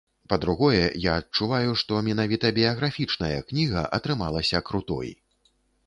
Па-другое, я адчуваю, што менавіта біяграфічная кніга атрымалася крутой.